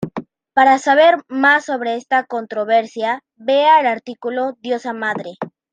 Para saber más sobre esta controversia, vea el artículo Diosa Madre.